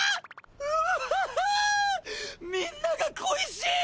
わあんみんなが恋しい！